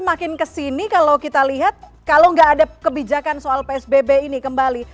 mungkin ke sini kalau kita lihat kalau tidak ada kebijakan soal psbb ini kembali